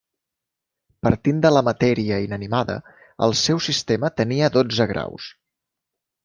Partint de la matèria inanimada el seu sistema tenia dotze graus.